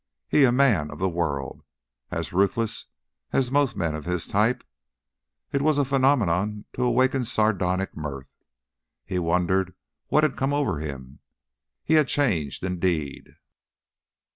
He, a man of the world, as ruthless as most men of his type! It was a phenomenon to awaken sardonic mirth. He wondered what had come over him. He had changed, indeed.